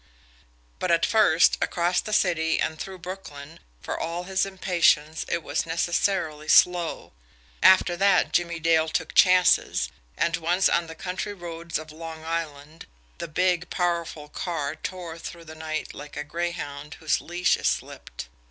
But at first, across the city and through Brooklyn, for all his impatience, it was necessarily slow after that, Jimmie Dale took chances, and, once on the country roads of Long Island, the big, powerful car tore through the night like a greyhound whose leash is slipped.